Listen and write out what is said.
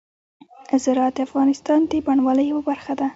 زراعت د افغانستان د بڼوالۍ یوه برخه ده.